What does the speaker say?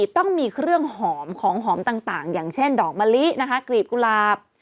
ต้องมีเครื่องหอมของหอมต่างอย่างเช่นดอกมะลินะคะกลีบกุหลาบ